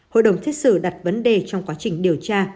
hội đồng thiết sử đặt vấn đề trong quá trình điều tra